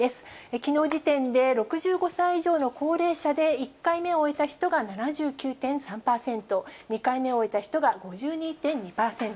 きのう時点で６５歳以上の高齢者で１回目を終えた人が７９．３％、２回目を終えた人が５２．２％。